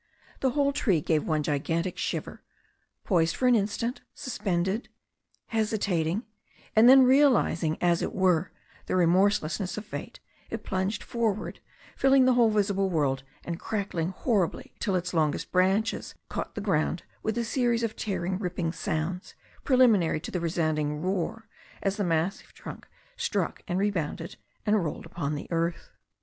The whole tree gave one gigantic shiver, poised for an instant, suspended, hesitating, and then, realizing as it were, the remorselessness of fate, it plunged forward, filling the whole visible world, and cracking horribly, till its longest branches caught the ground with a series of tearing, ripping sounds, preliminary to the resounding roar as thfe massive trunk struck and rebounded and rolled upon the earth.